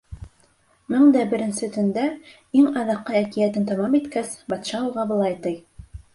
Мең дә беренсе төндә, иң аҙаҡҡы әкиәтен тамам иткәс, батша уға былай ти: